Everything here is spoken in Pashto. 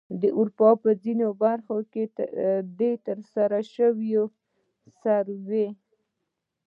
د اروپا په ځینو برخو کې د ترسره شوې سروې